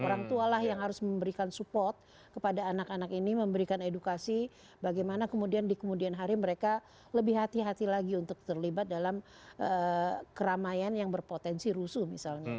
orang tua lah yang harus memberikan support kepada anak anak ini memberikan edukasi bagaimana kemudian di kemudian hari mereka lebih hati hati lagi untuk terlibat dalam keramaian yang berpotensi rusuh misalnya